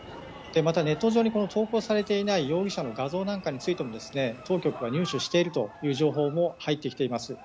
また、ネット上に投稿されていない容疑者の画像も当局が入手しているという情報も入ってきています。